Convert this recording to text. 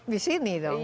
di sini dong